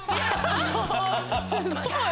すごい！